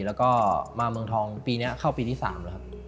แล้วก็มาเมืองทองปีนี้เข้าปีที่๓แล้วครับ